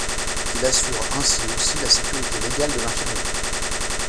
Il assure ainsi aussi la sécurité légale de l'infirmier.